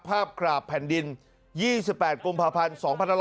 กราบแผ่นดิน๒๘กุมภาพันธ์๒๕๖๒